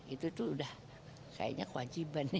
itu tuh udah kayaknya kewajibannya